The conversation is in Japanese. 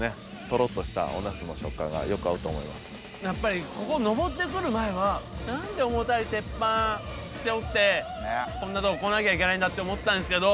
トロっとしたおナスの食感がよく合うとやっぱりここ登ってくる前は何で重たい鉄板背負ってこんなとこ来なきゃいけないんだって思ったんですけど